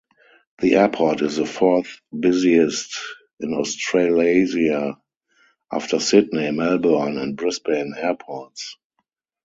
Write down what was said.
The airport is the fourth busiest in Australasia after Sydney, Melbourne and Brisbane airports.